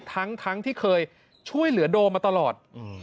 ทั้งที่เคยช่วยเหลือโดมมาตลอด